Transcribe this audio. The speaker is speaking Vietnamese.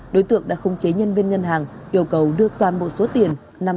đối tượng đã khống chế nhân viên ngân hàng yêu cầu đưa toàn bộ số tiền